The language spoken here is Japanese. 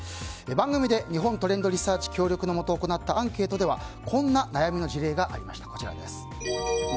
番組で日本トレンドリサーチ協力のもと行ったアンケートではこんな悩みの事例がありました。